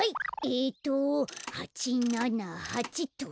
えっと８７８っと。